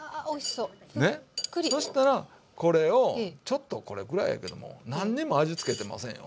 そしたらこれをちょっとこれぐらいやけども何にも味付けてませんよ